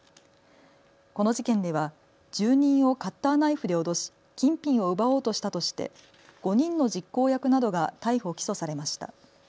この事件では住人をカッターナイフで脅し金品を奪おうとしたとして５人の実行役などが逮捕・起訴されました。